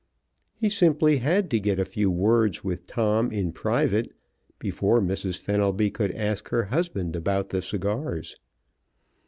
He simply had to get a few words with Tom in private before Mrs. Fenelby could ask her husband about the cigars.